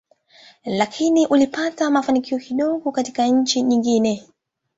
Lakini ulipata mafanikio kidogo katika nchi nyingine.